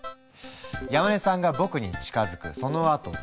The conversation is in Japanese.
山根さんが僕に近づくそのあと止まる。